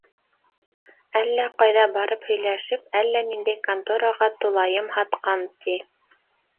Әллә ҡайҙа барып һөйләшеп, әллә ниндәй контораға тулайым һатҡан, ти.